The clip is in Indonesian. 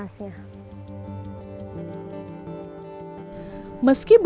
masa memasaknya seperti ini